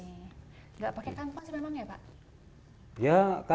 oh ini enggak pakai kanpas memang ya pak